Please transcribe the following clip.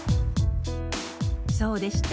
そうでした。